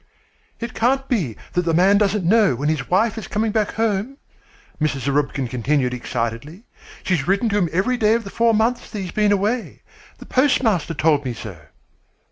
"It can't be that the man doesn't know when his wife is coming back home," Mrs. Zarubkin continued excitedly. "She's written to him every day of the four months that she's been away. The postmaster told me so."